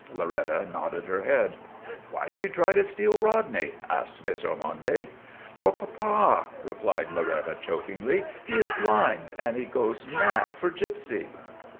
Loretta nodded her head. " Why did you try to steal Rodney? " asked Miss Ormonde. " For papa," replied Loretta chokingly. " He is blind, and he goes mad for Gypsy."